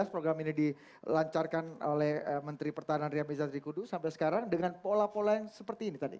program ini dilancarkan oleh menteri pertahanan ria miza trikudu sampai sekarang dengan pola pola yang seperti ini tadi